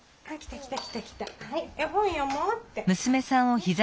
絵本読もうって。